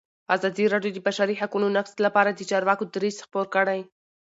ازادي راډیو د د بشري حقونو نقض لپاره د چارواکو دریځ خپور کړی.